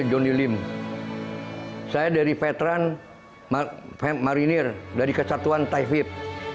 johnny lim saya dari veteran marinir dari kesatuan taifib